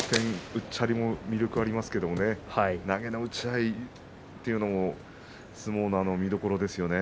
うっちゃりも魅力ありますが投げの打ち合いというのも相撲の見どころですね。